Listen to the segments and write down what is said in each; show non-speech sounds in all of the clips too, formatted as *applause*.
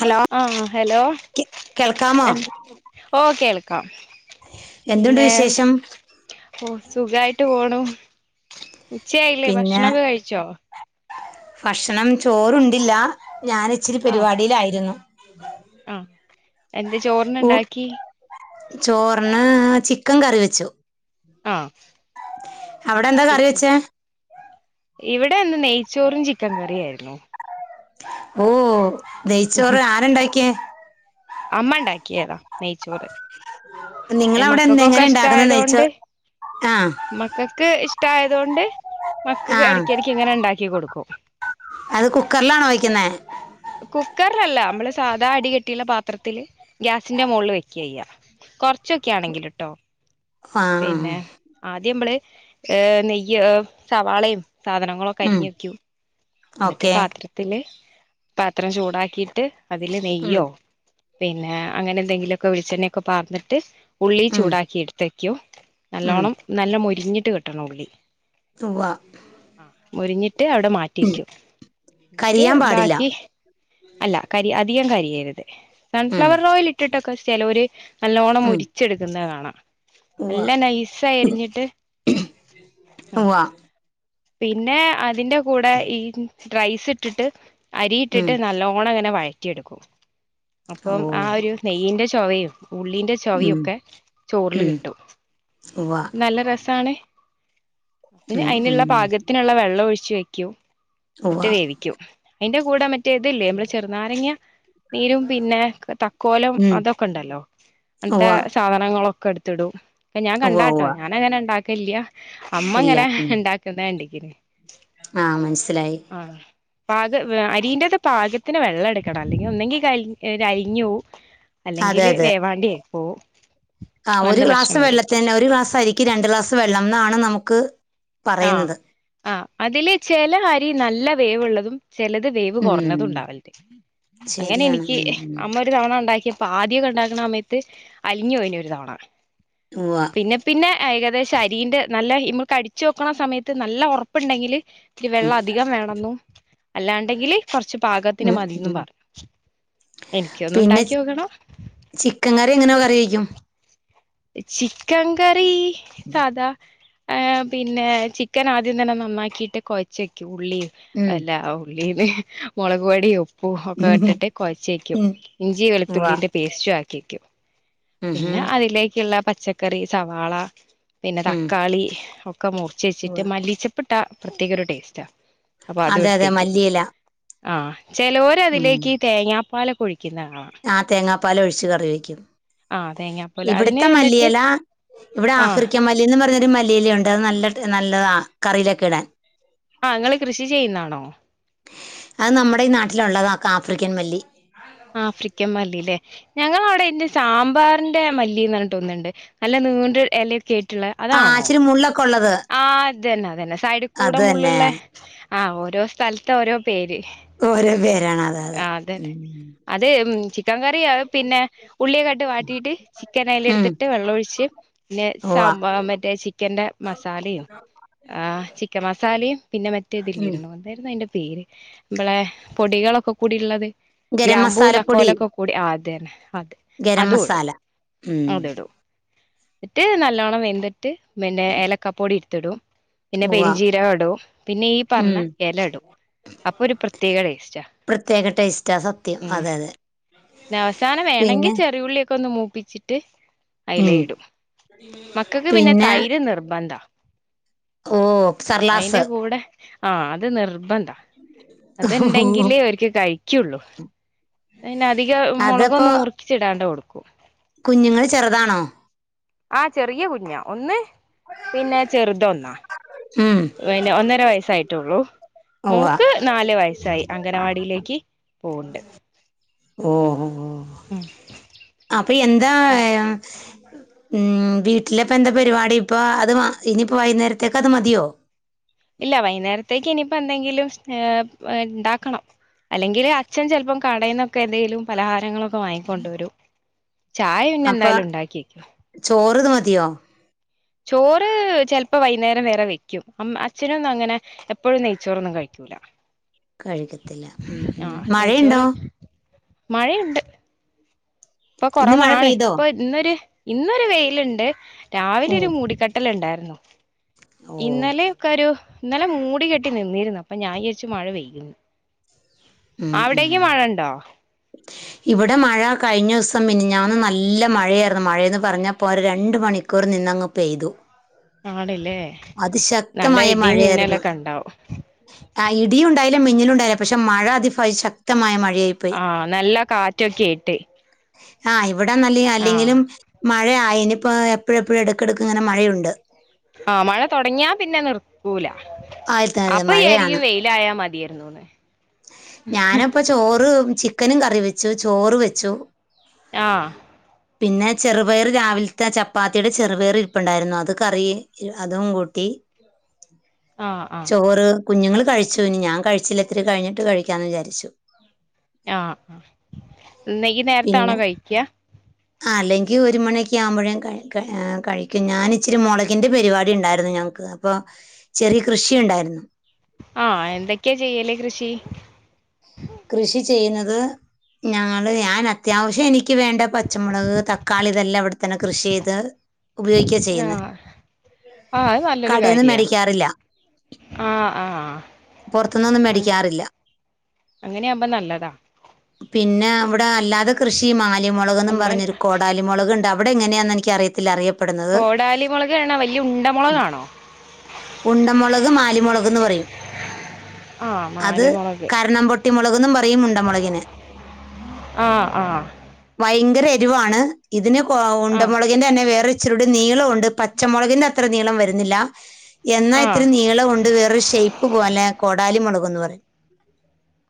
Hello ആഹ് hello കേ കേൾക്കാമോ ഓ കേൾക്കാം എന്തുണ്ട് പിന്നെ വിശേഷം ഓ സുഖായിട്ട് പോണു ഉച്ച ആയില്ലേ പിന്നെ ഭക്ഷണംക്കെ കഴിച്ചോ ഭക്ഷണം ചോറുണ്ടില്ല ഞാൻ ഇച്ചിരി പരിപാടിയിലായിരുന്നു ആഹ എന്ത് ചോറിന് ഊ ഉണ്ടാക്കി ചോറിന് ചിക്കൻ കറി വെച്ചു ആഹ് അവിടെ എന്താ കറി ചിക്കൻ വെച്ചേ ഇവിടെ ഇന്ന് നെയ്ച്ചോറും ചിക്കൻ കറിയും ആയിരുന്നു ഓ നെയ്ച്ചോറ് ആരുണ്ടാക്കിയേ അമ്മ ഉണ്ടാക്കിയതാ നെയ്ച്ചോറ് *unintelligible* എന്ത് മക്കൾക്കൊക്കെ എങ്ങനെ ഉണ്ടാക്കുന്ന ഇഷ്ടയതൊണ്ട് നെയ്ച്ചോ ആ മക്കൾക്ക് ഇഷ്ട്ടാആയത് കൊണ്ട് ആ മക്കൾക്ക് ഇടക്ക് ഇടക്ക് ഇങ്ങനെ ഉണ്ടാക്കി കൊടുക്കും അത് കുക്കറിലാണോ വെക്കുന്നെ കുക്കറിലല്ല നമ്മള് സാധാ അടി കെട്ടിയുള്ള പാത്രത്തില്ൽ ഗ്യാസിന്റെ മോള് വെക്കുക കൊറച്ചൊക്കെയ ആണെങ്കിൽ ട്ടോ ആ പിന്നെ ആദ്യം നമ്മള് ഏ നെയ്യ് സവാളയും സാധനങ്ങൾ ഉം അരിഞ് വയ്ക്കൂ എന്നിട്ട് ഓക്കെ പാത്രത്തില് പാത്രം ചൂടാക്കിയിട്ട് അതില് ഉം നെയ്യോ പിന്നെ അങ്ങനെ എന്തെങ്കിലുമൊക്കെ വളിച്ചെണ്ണയൊക്കെ പാർന്നിട്ട് ഉള്ളി ഉം ചൂടാക്കി എടുത്ത് വെക്കും ഉം നല്ലോണം നല്ല മൊരിഞ്ഞിട്ട് കിട്ടണം ഉള്ളി തുവ മുരിഞ്ഞിട്ട് അവിടെ മാറ്റിക്കും ന്നിട്ട് കരിയാൻ പാടില്ല ബാക്കി അല്ല കരി അധികം കരിയരുത് ഉം സൺഫ്ലവർ ഓയിൽ ഇട്ടിട്ടൊക്കെ ചെലോർ നല്ലോണം ഉം മുരിച്ചെടുക്കുന്നത് കാണാം നല്ല നൈസായിരിഞ്ഞിട്ട് *unintelligible* വ പിന്നെ അതിന്റെ കൂടെ ഈ റൈസ് ഇട്ടിട്ട് ഉം അരിയിട്ടിട്ട് നല്ലോണം അങ്ങനെ വഴറ്റിയെടുക്കും അപ്പം ഓ ആ ഒരു നെയ്യിന്റെ ചുവയും ഉള്ളിന്റെ ഉം ചോവൊക്കെ ചോറില് ഉം കിട്ടും ഉവ്വ നല്ല രസാണ് തിന് ഉം അയിന്ഉള്ള ഉം ത്തിനുള്ള വെള്ളം ഒഴിച്ച് വെക്കൂ ഉവ്വ ഇന്നട്ട് വേവിക്കൂ അതിന്റെ കൂടെ മറ്റ മറ്റേ ഇതില്ലേ നമ്മള് ചെറുനാരങ്ങിയ നീരും പിന്നെ തക്കോലം ഉം അതൊക്കെ ഉണ്ടല്ലോ ഉവ്വ അങ്ങനത്തെ സാധനങ്ങളൊക്കെ എടുത്ത് ടും ഞാൻ ഉവ്വ കണ്ടാട്ടോ ഉവ്വ ഞാന അങ്ങനെ ഉണ്ടാക്കല്യ അമ്മ ഇല്ല ഇങ്ങനെ ഉം ഇണ്ട ണ്ടാക്ക്ണ കണ്ടിക്കിനി ആ മനസ്സിലായി ആഹ് പാക അരിന്റത് പാകത്തിന് വെള്ളം എടുക്കണം അല്ലെങ്കിൽ ഒന്നെങ്കി കരി കരിഞ്ഞോവും അതെ അല്ലെങ്കില് അതെ വേവാണ്ടെ ആയി പോവും ആ ഒരു അങ്ങനത്തെ ഗ്ലാസ് പ്രശ്നം വരും വെള്ളത്തിന്നെ ഒരു ഗ്ലാസ് അരിക്ക് രണ്ട് ഗ്ലാസ് വെള്ളം ന്നാണ് നമുക്ക് ആഹ് പറയുന്നത് ആ അതില് ചില അരി നല്ല വേവുള്ളതും ചെലത് വേവ് ഉം കുറഞ്ഞതും ഉണ്ടാവൽണ്ട് അങ്ങനെ ശരിയാണ് എനിക്ക് ഉം ഉം അമ്മ തവണ ഉണ്ടാക്കിപ്പോ ആദ്യക്കെ ഉണ്ടാക്കുന്ന സമയത്ത് അലിഞ്ഞു പോയിണ് ഒരു തവണ ഉവ്വ പിന്നെ പിന്നെ ഏകദേശം അരീന്റെ നല്ല ഇമ്മൾക്കടിച്ചു നോക്കണ സമയത്ത് നല്ല ഉറപ്പുണ്ടെങ്കില് ഇത്തിരി വെള്ളം അധികം വേണെന്നും അല്ലാണ്ടെങ്കില് കൊറച്ച് പാകത്തിന് ഉം മതിന്നും ഉം പറ എനിക്ക് ഒന്ന് പിന്നെ ഉണ്ടാക്കി ചി നോകണം ചിക്കൻ കറി എങ്ങനെ കറി വെയ്ക്കും ചിക്കൻ കറി സാധാ പിന്നെ ചിക്കൻ ആദ്യം തന്നെ നന്നാക്കിയിട്ട് കൊഴച്ച് വയ്ക്കും ഉള്ളി ഉം അല്ല ഉള്ളീന്ന് മുളക് പൊടിയും ഉപ്പും ഒക്കെ ഇട്ടിട്ട് കുഴച്ച് വെക്കും ഉം ഇഞ്ചി ഉവ്വ വെളുത്തുള്ളീന്റെ പേസ്റ്റു ആക്കി വെക്കും ഉം പിന്നെ ഹും അതിലേക്കുള്ള പച്ചക്കറി സവാള പിന്നെ ഉം തക്കാളി ഒക്കെ മുറിച്ച് ഉവ്വ വെച്ചിട്ട് മല്ലിച്ചപ്പിട്ട പ്രത്യേക ഒരു ടേസ്റ്റാ അപ്പൊ അത് അതെ എടുത്ത് അതെ വെക്കും മല്ലിയില ആ ചിലർ ഉം അതിലേക്ക് തേങ്ങാപ്പാലൊഴിക്കുന്നത് കാണാ ആ തേങ്ങാപ്പാലൊഴിച്ച് കറി വെക്കും ആഹ് തേങ്ങാപ്പാല് അതിന് ഇവിട്ത്തെ എന്നിട്ട് മല്ലിയെല ഇവിടെ ആഹ് ആഫ്രിക്കൻ മല്ലി മല്ലിന്ന് പറഞ്ഞൊരു മല്ലിയിലയുണ്ട് അത് നല്ല നല്ലതാ കറിയിലൊക്കെ ഇടാൻ ആ നിങ്ങൾ കൃഷി ചെയ്യുന്നാണോ അത് നമ്മുടെഈ നാട്ടിലുള്ളതാ ആഫ്രിക്കൻ മല്ലി ആഫ്രിക്കൻ മല്ലില്ലേ ഞങ്ങള അവിടെ ഇണ്ട് സാമ്പാറിന്റെ മല്ലിന്ന് പറഞ്ഞിട്ട് ഒന്നുണ്ട് നല്ല നീണ്ട് എല ഒക്കെ ആ ഇച്ചിരി മുള്ളൊക്കെ ഉള്ളത് ആ അതന്നെ അതന്നെ സൈഡ് കൂടെ അത് തന്നെ മുള്ളുള്ള ആഹ് ഓരോ സ്ഥലത്ത് ഓരോ പേര് ഓരോ പേരാണ് അതെ അതെ ആഹ് അതന്നെ ഉം അത് ചിക്കൻ കറിയ പിന്നെ ഉള്ളിയെക്കട്ട് വാട്ടിയിട്ട് ചിക്കൻ അതിൽ ഉം. എടുത്തിട്ട് വെള്ളമൊഴിച്ച് പിന്നെ ഉവ്വ സാമ്പാ മറ്റേ ചിക്കന്റെ മസാലിം ആ് ചിക്കൻ മസാലിം പിന്നെ മറ്റേ ഇത്‌ ല്ലേ ഉം. എന്തായിരുന്നു അതിന്റെ പേര് കളെ പൊടികളൊക്കെ കൂടി ഉള്ളത് ഗരം ഗ്രാമ്പൂ മസാലപ്പൊടി തക്കോലൊക്കെ കൂടി ആ അതെന്നെ അതെ ഗരം അതും ഇടും മസാല ഉം. അത്ടും എന്നിട്ട് നല്ലോണ്ണം വെന്തിട്ട് പിന്നെ ഏലക്ക പൊടി ഇടുത്തിടും പിന്നെ ഉവ്വ പെരിഞ്ചീരകം ഇടും പിന്നെ ഈ പറഞ്ഞ ഉം. ഇല ഇടും അപ്പൊ ഒരു പ്രത്യേക ടേസ്റ്റാ പ്രത്യേക ടേസ്റ്റാ സത്യം ഉം അതെ അതെ പിന്നെ അവസാനം വേണമെങ്കിൽ പിന്നെ ചെറിയുള്ളിയൊക്കെ ഒന്ന് മൂപ്പിച്ചിട്ട് ഉം. അയലയിടും മക്കൾക്ക് പിന്നെ തൈര് നിർബന്ധ ഓ അതിന്റെ സർലാസ് കൂടെ ആ അത് നിർബന്ധ അത് ഉണ്ടെങ്കിലേ അവർക്ക് കഴിക്കുള്ളൂ അധികം മുളകൊന്നും മുറിച്ചിടാണ്ട് കൊടുക്കും കുഞ്ഞുങ്ങൽ ചെറുതാണോ? ആ ചെറിയ കുഞ്ഞാ ഒന്ന് പിന്നെ ചെറുതോ ഉം. പിന്നെ ഒന്നര വയസ്സായിട്ടുള്ളൂ ഉവ്വ മോക്ക് നാല് വയസ്സായി അംഗനവാടിയിലേക്ക് പോവ്ണ്ട് ഓഹ് ഓഹ് ഉം അപ്പ എന്താ പറയാൻ ഉം വീട്ടിലിപ്പ എന്താ പരിപാടി ഇപ്പോൾ അത് ഇനിയിപ്പോൾ വൈകുന്നേരത്തേക്കത് മതിയൊ ഇല്ല വൈകുന്നേരത്തേക്ക് ഇനിപ്പൊ എന്തെങ്കിലും ഉണ്ടാക്കണം അല്ലെങ്കിൽ അച്ഛൻ ചെലപ്പം കടയിൽന്നൊക്കെ എന്തെങ്കിലും പലഹാരങ്ങളൊക്കെ വാങ്ങികൊണ്ട് വരും ചായ പിന്നെ എന്തായാലും ഉണ്ടാക്കി ചോറത് മതിയൊ ചോറ് ച്ചെലപ്പൊ വൈകുന്നേരം വേറെ വെക്കും അ അച്ഛനൊന്നും അങ്ങനെ എപ്പൊഴും നെയ്ച്ചോറൊന്നും കഴിക്കൂല *unintelligible* ല കഴിക്കത്തില്ല ഉം മഴയുണ്ടോ? മഴയുണ്ട് ഇപ്പൊ ഇന്ന് മഴ കൊറവാണ് പെയ്തോ ഇപ്പൊ ഇന്നൊരു ഇന്നൊരു വെയിലുണ്ട് രാവിലെ ഒരു ഉം മൂടിക്കെ ട്ടലുണ്ടായിരുന്നു ഓ ഇന്നലെ ഒക്കെ ഒരു- ഇന്നലെ മൂടി കെട്ടി നിന്നിരുന്നു അപ്പം ഞാൻ വിചാരിച്ച് മഴ പെയ്യുമെന്ന് ഉം ഉം *inaudible* ഇവിടെ മഴ കഴിഞ്ഞോസം മെ നിഞ്ഞാന്ന് നല്ല മഴയായിരുന്നു മഴേന്ന് പറഞ്ഞപ്പോര രണ്ട് മണി ക്കൂർ നിന്നങ്ങ് പെയ്തു ആണല്ലേ അതി ശക്തമായ മഴയാരുന്നു ഉണ്ടാവും ആഹ് ഇടിയും ഉണ്ടായില്ല മിന്നലുംണ്ടായില്ല പക്ഷെ മഴ അതി ശക്തമായ മഴയായി ആഹ് നല്ല കാറ്റൊക്കേട്ട് ആഹ് ഇവിടെ നല്ല അല്ലെങ്കിലും മഴയായി ഇനിയിപ്പൊ എപ്പൊഴും എപ്പൊഴും എടുക്ക് എടുക്ക് ഇങ്ങനെ മഴയുണ്ട് ആഹ് മഴ തൊടങ്ങിയാ പിന്നെ നിർത്തൂല ആയിതാതെ മഴയാണ് ല്ലായ മതിയായിരുന്നോളെ ഞാനപ്പ ചോറ് ചിക്കനും കറി വെച്ചു ചോറ് വെച്ചു ആഹ് പിന്നെ ചെറുപയറ് രാവിലത്തെ ചപ്പാത്തിയുടെ ചെറുപയറ് ഇരുപ്പുണ്ടായിരുന്നു അത് കറി അതും കൂട്ടി *unintelligible* ആഹ് ചോറ് കുഞ്ഞുങ്ങള് കഴിച്ചു ഇനി ഞാൻ കഴിച്ചില്ല ഇത്തിരി കഴിഞ്ഞിട്ട് കഴിക്കാന്ന് വിചാരിച്ചു ആഹ് ഇല്ലെങ്കി ഈ നേരത്താണോ കഴിക്ക ആഹ് അല്ലെങ്കിഒരു മണിയൊക്കെ ആകുമ്പൊഴ് കഴിക്കും ഞാൻ ഇച്ചിരി മുളകിന്റെ പരിപാടി ഉണ്ടായിരുന്നു ഞങ്ങൾക്ക് അപ്പൊ ചെറിയ കൃഷി ഉണ്ടായിരുന്നു ആഹ് എന്തൊക്കെയാ ചെയ്യല് കൃഷി കൃഷി ചെയ്യുന്നത് ഞങ്ങൾ ഞാൻ അത്യാവശ്യം എനിക്ക് വേണ്ട പച്ചമുളക് തക്കാളി ഇതെല്ലാം ഇവിടെത്തന്നെ കൃഷിചെയ്ത് ഉപയോഗിക്കുകയാ ചെയ്യുന്നെ ആഹ് ആഹ് അത് നല്ലൊരു കടേന്ന് കാര്യാ മേടിക്കാറില്ലാ ആഹ് ആഹ് പൊറത്തുന്നൊന്നും മേടിക്കാറില്ല അങ്ങനെയാമ്പം നല്ലതാ പിന്നെ അവിടെ അല്ലാതെ കൃഷി മാലി മൊളകെന്നും അമ്മൻ പറഞ്ഞൊരു കോടാൽ മൊളക്ണ്ട് അവിടെ എങ്ങനെയാന്ന് എനിക്ക്‌ അറിയത്തില്ല അറിയും കോടാലി മൊളകാണോ വല്യ ഉണ്ടമൊളക് ആണോ ഉണ്ടമൊളക് മാലിമൊളകെന്ന് പറയും ആഹ് അത് മാലി മുളക് കരണം പൊട്ടി മൊളകെന്നും പറയും ഉണ്ടമൊളകിന് ആഹ് ആഹ് ഭയങ്കര എരിവാണ് ഇതിന് കോ ആഹ് ഉണ്ടമൊള അതിന്റെ തന്നെ വേറൊരു ഇച്ചരൂടെ നീളം ഒണ്ട് പച്ചമൊളകിന്റെ അത്ര നീളം വരുന്നില്ലാ എന്നാ ആഹ് ഇത്തിരി നീളം ഒണ്ട് വേറൊരു ഷേയ്പ് പോലെ കോടാലി മൊളകൊന്ന് പറയും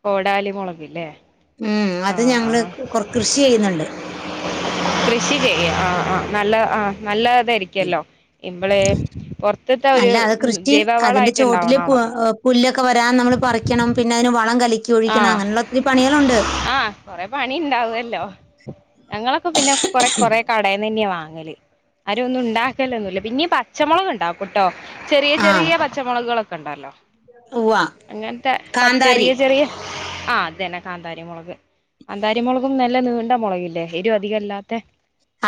കോടാലി മൊളകില്ലേ ഉം അത് ഞങ്ങള് കൊർ കൃഷി ചെയ്യുന്നുണ്ട് കൃഷി ചെയ്യും ആഹ് ആഹ് നല്ല ആഹ് നല്ല ഇതായിരി ക്യല്ലോ ഇവളേ പൊറത്തത്താ ഒരു അല്ല അത് കൃഷി ജൈവ അതിന്റെ വളായിട്ട് ചോട്ടില് പു- ഇണ്ടാവണാണല്ലോ ഏഹ് പുല്ലൊക്കെ വരാൻ നമ്മൾ പറിക്കണം പിന്നെ അതിന് വളം കലിക്കി ഒഴിക്കണം അങ്ങനൊള്ള ഒത്തിരി പണികളൊണ്ട് കൊറേ പണി ഇണ്ടാവല്ലോ ഞങ്ങളൊക്കെ പിന്നെ കൊറേ കൊറേ കടേന്ന് തന്നെയാ വാങ്ങല് ആരൊന്നും ഉണ്ടാക്കലൊന്നും ഇല്ല പിന്നീ പച്ചമൊളക് ഇണ്ടാ ട്ടോ ചെറിയ ആ ചെറിയ പച്ചമൊളകുകളൊക്കെ ഒണ്ടല്ലോ ഉവ്വ അങ്ങൻത്തെ പ ചെറിയ കാന്താരി ചെറിയ ആഹ് അത് തന്നെ കാന്താരിമൊളക് കാന്താരിമൊളകും നല്ല നീണ്ട മൊളകില്ലേ എരിവ് അധികം ഇല്ലാത്തെ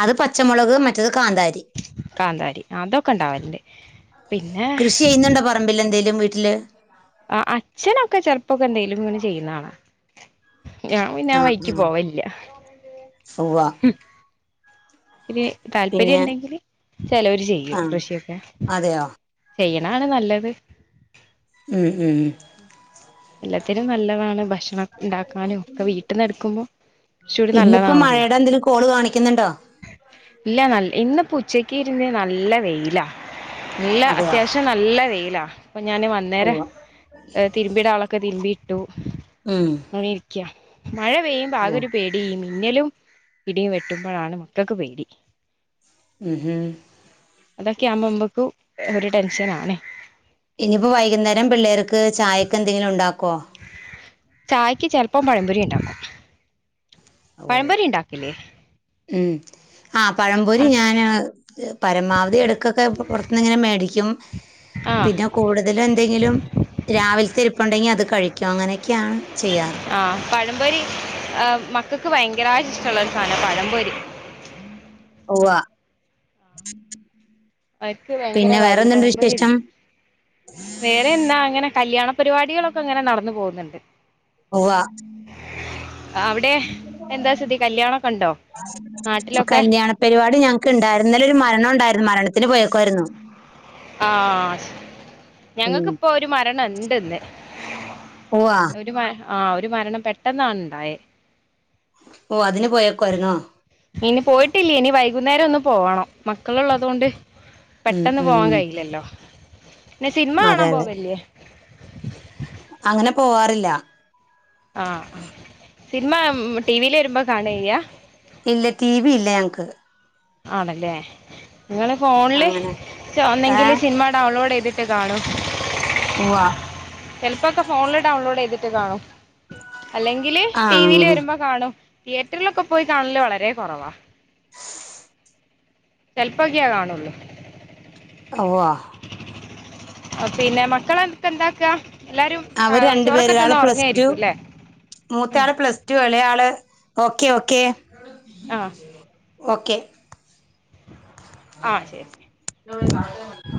അത് പച്ചമൊളക് മറ്റേത് കാന്താരി കാന്താരി ആതൊക്കെ ഒണ്ടാവല്ണ്ട് പിന്നേ ചെയ്ന്നൊണ്ടോ പറമ്പിൽ എന്തേലും വീട്ടില് ആഹ് അച്ഛനൊക്കെ ചെലപ്പൊക്കെ എന്തെങ്കിലും ഇങ്ങനെ ചെയ്യുന്ന കാണാ ഞാൻ പിന്നാ വഴിക്ക് പോവല്ലാ സൊവ്വാ ഇരീ താല്പര്യം പിന്നെ ഇണ്ടെങ്കില് ചെലവര് ചെയ്യും ആ കൃഷിയൊക്കെ അതെയോ ചെയ്യണാണ് നല്ലത് ഉം ഉം എല്ലാത്തിനും നല്ലതാണ് ഭക്ഷണ ഇണ്ടാക്കാനും ഒക്കെ വീട്ടിന്ന് എടുക്കുമ്പം ഇച്ചൂടി ഇന്നിപ്പോ നല്ലതാണല്ലോ മഴയുടെ എന്തെങ്കിലും കോള് കാണിക്ക്‌ന്ന്ണ്ടോ ഇല്ല നൽ ഇന്നപ്പൊ ഉച്ചക്ക് ഇരുന്ന് നല്ല വെയിലാ ഇല്ല അതെയോ അത്യാവശ്യം നല്ല വെയിലാ അപ്പൊ ഞാന് വന്നേരം ഉവ്വ ഏഹ് തിരുമ്പി ഇടാള്ളക്കെ തിരുമ്പിയിട്ടൂ ഉം അങ്ങനേ ഇരിക്ക്യാ മഴ പെയ്യുമ്പ ആകെ ഓ ഒരു പേടി ഈ മിന്നലും ഇടീം വെട്ടുമ്പഴാണ് മ ക്കക്ക് പേടി മ്ഹ് അതൊക്കെയാമ്പം നമ്മക്കും ഒരു ടെൻഷൻ ആണേ ഇനിയിപ്പോ വൈകുന്നേരം പിള്ളേർക്ക് ചായക്ക്‌ എന്തെങ്കിലും ഒണ്ടാക്കോ ചായ്ക്ക് ചെലപ്പം പഴംപൊരി ഉണ്ടാക്കും ഓ പഴംപൊരി ഇണ്ടാക്കില്ലേ ഉം ആഹ് പഴംപൊരി ഞാന് പരമാവധി എട്ക്കൊക്കെ പൊറത്തന്ന് ഇങ്ങനെ മേടിക്കും. ആഹ് പിന്നെ കൂടുതലും എന്തെങ്കിലും. രാവിലത്തെ ഇരിപ്പൊണ്ടെങ്കി അത് കഴിക്കും അങ്ങനെക്കെയാണ് ചെയ്യാറ്. ആ പഴംപൊരി മക്കൾക്ക് ഭയങ്കരമായി് ഇഷ്ടമുള്ള ഒരു സാധനമാണ് പഴംപൊരി. ഉവ്വ. അവർക്ക് ഭയങ്കര പിന്നെ കാര്യ വേറെന്തുണ്ട് പഴം പൊരി. വിശേഷം വേറെ എന്താ അങ്ങനെ കല്യാണ പരിപാടികളൊക്കെ അങ്ങനെ നടന്നു പോകുന്നുണ്ട്. ഉവ്വ. അവിടെ എന്താ സ്ഥിതി കല്യാണൊക്കെ ഉണ്ടോ നാട്ടിലൊക്കെ കല്യാണ. പരിപാടി ഞങ്ങക്ക് ഉണ്ടായിരുന്ന. ഇന്നലെ ഒരു മരണം ഉണ്ടായിരുന്നു. മരണത്തിന് പോയേക്കായിരുന്നു. ആഹ അത് ശെരി ഉം ഞങ്ങക്കിപ്പോ ഒരു മരണം ഇണ്ട്ന്ന്. ഉവ്വ ഒരു ആ ഒരു മരണം പെട്ടെന്നാണണ്ടായേ. ഓ അതിന് പോയേക്കുവായിരുന്നോ. ഇനി പോയിട്ടില്ല ഇനി വൈകുന്നേരം ഒന്ന്പോവണം മക്കള്ള്ളതോണ്ട്. ഉം പെട്ടെന്ന് ഉം പോവാൻ ഉം കഴയില്ലല്ലോ പിന്നെ സിനിമ അതെ കാണാൻ അതെ പോവലില്യേ. അങ്ങനെ പോവാറില്ല. ആ ആ സിനിമ ടിവിൽ വരുമ്പോ കാണ ചെയ്യാ. ഇല്ല ടി വി ഇല്ല നങ്ങ്ക്ക്. ആണല്ലേ നിങ്ങള് ഫോണില് അങ്ങനെ ഏഹ് ഒന്നെങ്കില് സിനിമ. ഡൗൺലോഡ് ചെയ്തിട്ട് കാണൂ. ഉവ്വോ ചെലപ്പോക്കെ ഫോണില് ഡൗൺലോഡ് ചെയ്തിട്ട് കാണും. അല്ലെങ്കില് ടിവിൽ ആഹ് വരുമ്പോ കാണും തിയേറ്ററിലൊക്കെ പോയി കാണല് വളരെ കുറവാ. ചെല്പ്പക്കെയാ കാണുള്ളൂ. ഉവ്വ പിന്നെ മക്കളക്കെ എന്താക്ക എല്ലാരും അവര് ചോറൊക്കത്തന്ന ഉറങ്ങയിരിക്കും അല്ലേ. മൂത്ത ഉം. ആള് പ്ലസ്. റ്റും ഇയാളെ ആള് ഓക്കെ ഓക്കെ ആ ഓക്കെ. ആ ശരി. *unintelligible*